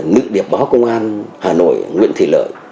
nữ điệp báo công an hà nội nguyễn thị lợi